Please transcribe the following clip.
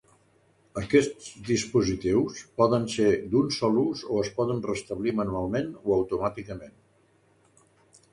Aquests dispositius poden ser d'un sol ús o es poden restablir manualment o automàticament.